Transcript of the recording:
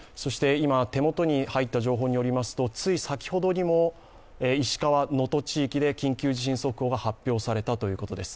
手元に入った情報によりますとつい先ほどにも石川・能登地域で緊急地震速報が発表されたということです。